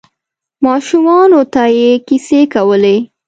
ماشومانو ته یې کیسې کولې.